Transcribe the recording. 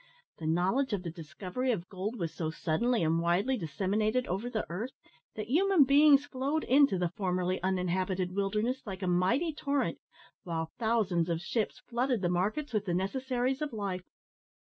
The knowledge of the discovery of gold was so suddenly and widely disseminated over the earth, that human beings flowed into the formerly uninhabited wilderness like a mighty torrent, while thousands of ships flooded the markets with the necessaries of life.